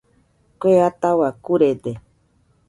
Kue ataua kurede.